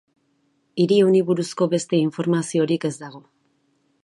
Hiri honi buruzko beste informaziorik ez dago.